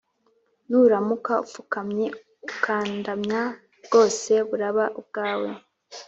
. Nuramuka upfukamye ukandamya, bwose buraba ubwawe